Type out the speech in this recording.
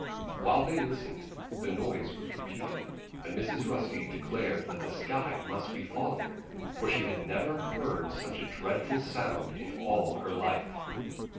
While they listened the noise was repeated. And Mrs. Rusty declared that the sky must be falling, for she had never heard such a dreadful sound in all her life.